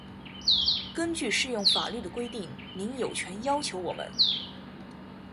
根据适用法律的规定，您有权要求我们：